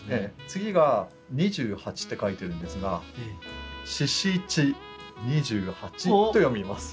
次が「二十八」って書いてるんですが「４×７＝２８」と読みます。